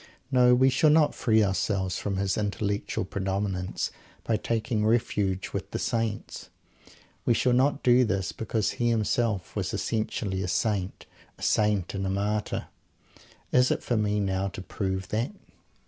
No, we shall not free ourselves from his intellectual predominance by taking refuge with the Saints. We shall not do this because he himself was essentially a Saint. A Saint and a Martyr! Is it for me now to prove that?